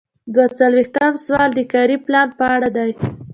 دوه څلویښتم سوال د کاري پلان په اړه دی.